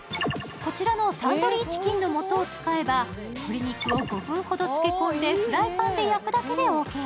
こちらのタンドリーチキンの素を使えば鶏肉を５分ほど漬け込んでフライパンで焼くだけでオッケー。